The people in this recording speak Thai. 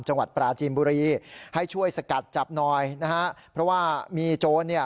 จังหวัดปราจีนบุรีให้ช่วยสกัดจับหน่อยนะฮะเพราะว่ามีโจรเนี่ย